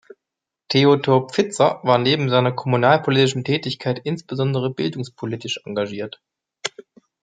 Theodor Pfizer war neben seiner kommunalpolitischen Tätigkeit insbesondere bildungspolitisch engagiert.